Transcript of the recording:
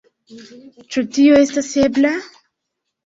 Ĉu tio estas ebla?